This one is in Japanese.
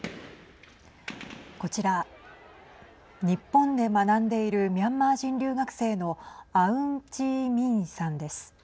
こちら日本で学んでいるミャンマー人留学生のアウンチーミィンさんです。